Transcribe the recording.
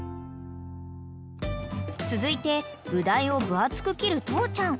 ［続いてブダイを分厚く切る父ちゃん］